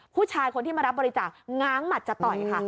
ผู้ชายคนที่มารับบริจาคง้างหมัดจะต่อยค่ะ